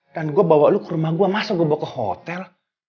dan gue bawa lo ke rumah gue masa gue bawa ke hotel